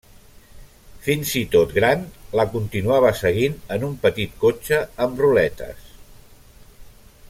Fins i tot gran, la continuava seguint en un petit cotxe amb ruletes.